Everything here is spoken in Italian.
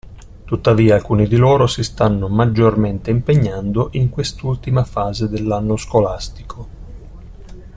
Tuttavia, alcuni di loro si stanno maggiormente impegnando in quest'ultima fase dell'anno scolastico.